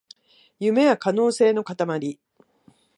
夢は可能性のかたまり